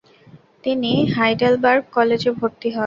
তিনি হাইডেলবার্গ কলেজে ভর্তি হন।